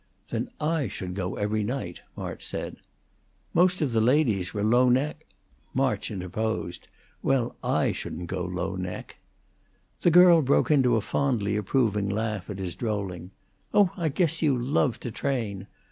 "Then I should go every night," March said. "Most of the ladies were low neck " March interposed, "Well, I shouldn't go low neck." The girl broke into a fondly approving laugh at his drolling. "Oh, I guess you love to train!